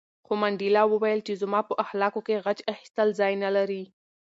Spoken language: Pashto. خو منډېلا وویل چې زما په اخلاقو کې غچ اخیستل ځای نه لري.